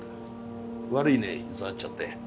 悪いね居座っちゃって。